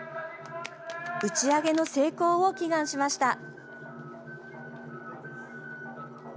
打ち上げの成功を祈願しました。